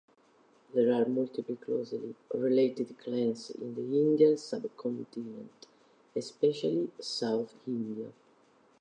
There are multiple closely related clans in the Indian sub-continent, especially south India.